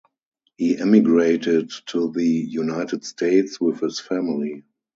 He immigrated to the United States with his family.